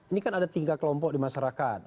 ini kan ada tiga kelompok di masyarakat